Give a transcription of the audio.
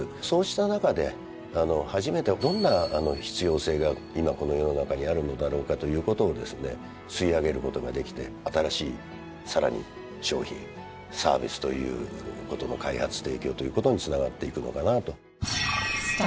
そうした中で初めてどんな必要性が今この世の中にあるのだろうかということをですね吸い上げることができて新しいさらに商品サービスということの開発提供ということにつながっていくのかなと。